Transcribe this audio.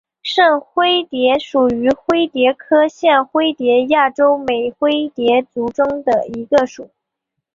圣灰蝶属是灰蝶科线灰蝶亚科美灰蝶族中的一个属。